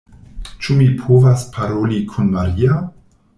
Ĉu mi povas paroli kun Maria?